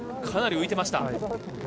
かなり浮いていました。